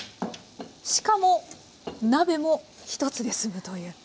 しかも鍋も１つですむという。